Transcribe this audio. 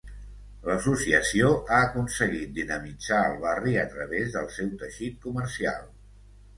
L'associació ha aconseguit dinamitzar el barri a través del seu teixit comercial.